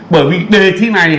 bởi vì đề thi này